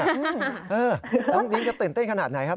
โอ้โหเราจะตื่นเต้นขนาดไหนครับ